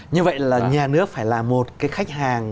như vậy là nhà nước phải là một cái khách hàng